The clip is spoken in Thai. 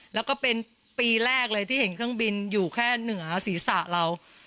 แล้วก็เป็นปีแรกเลยที่เห็นเครื่องบินอยู่แค่เหนือศีรษะเรา